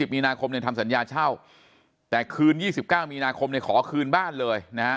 มีนาคมเนี่ยทำสัญญาเช่าแต่คืน๒๙มีนาคมขอคืนบ้านเลยนะฮะ